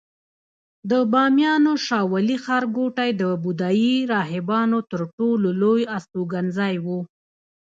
د بامیانو شاولې ښارګوټی د بودایي راهبانو تر ټولو لوی استوګنځای و